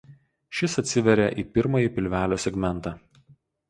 Šis atsiveria į pirmąjį pilvelio segmentą.